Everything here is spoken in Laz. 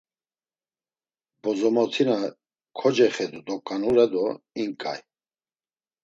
Bozomotina kocexedu doǩanure do inǩay.